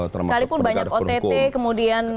sekalipun banyak ott kemudian